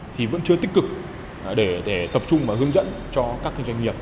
thì vẫn chưa tích cực để tập trung và hướng dẫn cho các doanh nghiệp